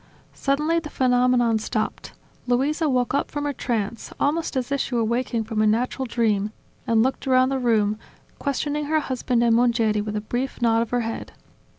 Suddenly the phenomenon stopped. Luisa woke up from her trance, almost as if she were waking from a natural dream, and looked around the room, questioning her husband and Mongeri with a brief nod of her head.